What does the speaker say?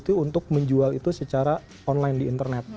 jadi mereka bisa menjual itu secara online di internet